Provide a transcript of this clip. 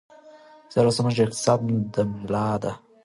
زراعت زموږ د اقتصاد ملا ده.